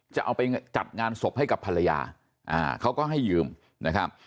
จะเอาไปจัดงานศพให้กับภรรยาเขาก็ให้ยืมนะครับ